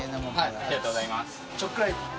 ありがとうございます。